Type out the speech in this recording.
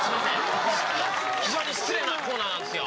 非常に失礼なコーナーなんですよ。